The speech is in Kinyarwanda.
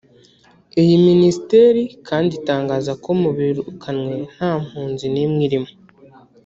Iyi Minisiteri kandi itangaza ko mu birukanywe nta mpunzi n’imwe irimo